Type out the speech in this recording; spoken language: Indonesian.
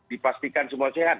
dipastikan semua sehat